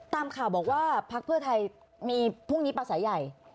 ตามข่าวบอกว่าพักเพื่อไทยมีพรุ่งนี้ปลาสายใหญ่